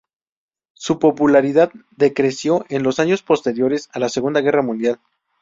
Su popularidad decreció en los años posteriores a la Segunda Guerra Mundial.